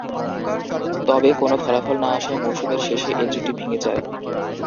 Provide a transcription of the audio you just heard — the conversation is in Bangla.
তবে, কোন ফলাফল না আসায় মৌসুমের শেষে এ জুটি ভেঙ্গে যায়।